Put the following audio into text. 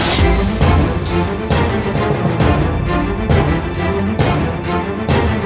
tidak tidak tidak